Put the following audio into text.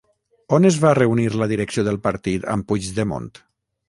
On es va reunir la direcció del partit amb Puigdemont?